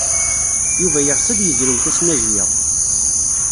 Yuba yeɣs ad yezrew tasnajya.